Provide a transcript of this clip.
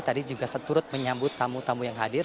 tadi juga turut menyambut tamu tamu yang hadir